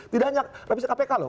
tidak hanya reprisi kpk lho